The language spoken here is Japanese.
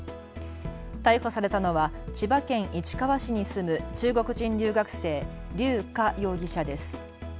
逮捕されたのは千葉県市川市に住む中国人留学生、劉佳容疑者です。